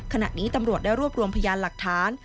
ขณะนี้ตำรวจได้รวบรวมพยานหลักฐาน